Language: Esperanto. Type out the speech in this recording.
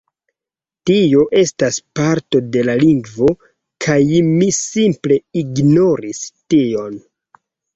Tio estas parto de la lingvo" kaj mi simple ignoris tion.